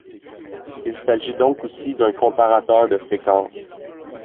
Il s'agit donc aussi d'un comparateur de fréquence.